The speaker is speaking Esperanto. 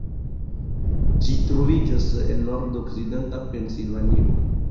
Ĝi troviĝas en nordokcidenta Pensilvanio.